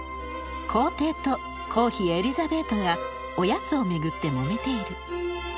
皇帝と皇妃エリザベートがおやつを巡ってもめている。